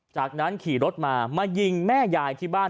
จากนั้นขี่รถมามายิงแม่ยายที่บ้าน